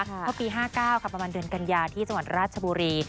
เพราะปี๕๙ค่ะประมาณเดือนกันยาที่จังหวัดราชบุรี